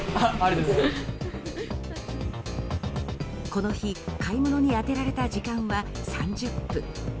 この日、買い物に充てられた時間は３０分。